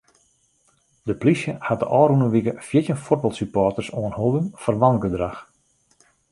De plysje hat de ôfrûne wike fjirtjin fuotbalsupporters oanholden foar wangedrach.